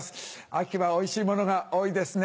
秋はおいしいものが多いですね。